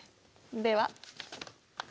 では。